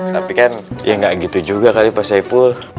tapi kan ya nggak gitu juga kali pak saipul